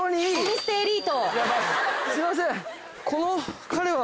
すいません。